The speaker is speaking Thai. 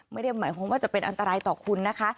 ไม่ได้หมายความว่าจะเป็นอันตรายต่อคุณนะคะ